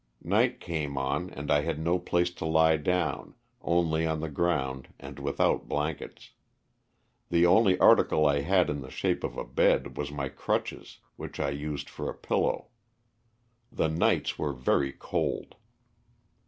Night came on and I had no place to lie down only on the ground and without blankets. The only article I had in the shape of a bed was my crutches, which I used for a pillow. The nights were very cold.